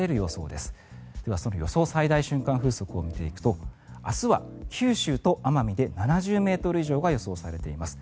では、その予想最大瞬間風速を見ていくと明日は九州と奄美で７０ｍ以上が予想されています。